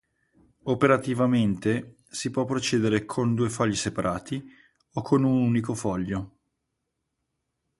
Operativamente, si può procedere o con due fogli separati, o con un unico foglio.